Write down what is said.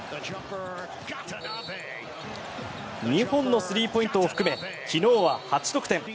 ２本のスリーポイントを含め昨日は８得点。